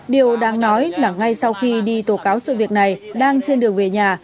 điều đáng nói là ngay sau khi đi tố cáo sự việc này đang trên đường về nhà